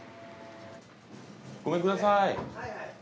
ごめんください。